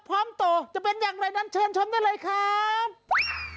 โตจะเป็นอย่างไรนั้นเชิญชมได้เลยครับ